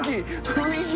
雰囲気。